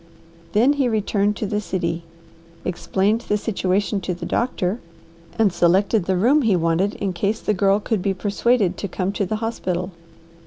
Then he returned to the city, explained the situation to the doctor, and selected the room he wanted in case the Girl could be persuaded to come to the hospital.